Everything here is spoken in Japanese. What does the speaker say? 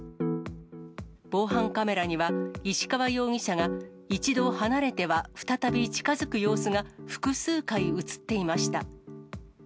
防犯カメラには、石川容疑者が一度離れては再び近づく様子が複数回写っていました。